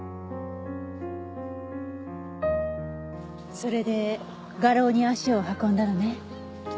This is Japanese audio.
それで画廊に足を運んだのね？